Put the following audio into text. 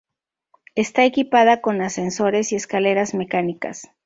Está equipada con ascensores y escaleras mecánicas.